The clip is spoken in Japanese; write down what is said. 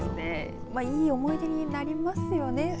いい思い出になりますよね。